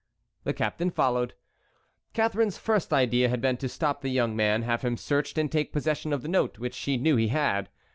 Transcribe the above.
The captain followed. Catharine's first idea had been to stop the young man, have him searched, and take possession of the note which she knew he had.